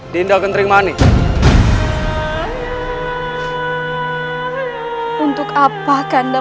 paman yang dalam ini tidak bisa berenang